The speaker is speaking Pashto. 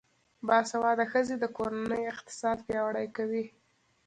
باسواده ښځې د کورنۍ اقتصاد پیاوړی کوي.